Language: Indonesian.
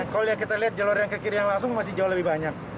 kalau kita lihat jalur yang ke kiri yang langsung masih jauh lebih banyak